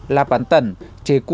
lạp bản tẩn chế cua nha chế su phạm